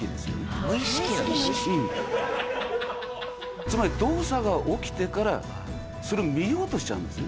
つまり動作が起きてからそれを見ようとしちゃうんですね。